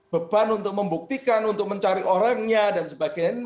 beban untuk membuktikan untuk mencari orangnya dan sebagainya